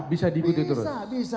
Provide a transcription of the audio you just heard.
bisa diikuti terus bisa